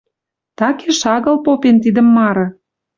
Такеш агыл попен тидӹм мары